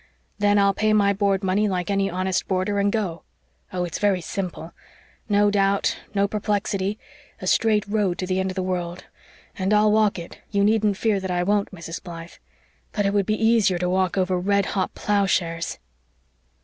Then I'll pay my board money like any honest boarder and go! Oh, it's very simple. No doubt no perplexity a straight road to the end of the world! "And I'll walk it you needn't fear that I won't, Mrs. Blythe. But it would be easier to walk over red hot ploughshares."